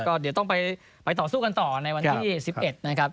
ก็เดี๋ยวต้องไปต่อสู้กันต่อในวันที่๑๑นะครับ